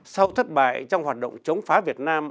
sau thất bại trong hoạt động chống phá việt nam